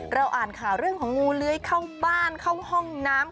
อ่านข่าวเรื่องของงูเลื้อยเข้าบ้านเข้าห้องน้ำ